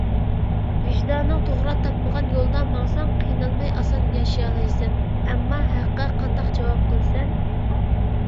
ۋىجدانىڭ توغرا تاپمىغان يولدا ماڭساڭ قىينالماي ئاسان ياشىيالايسەن. ئەمما ھەققە قانداق جاۋاب قىلىسەن؟